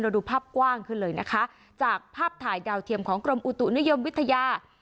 ดูภาพกว้างขึ้นเลยนะคะจากภาพถ่ายดาวเทียมของกรมอุตุนิยมวิทยา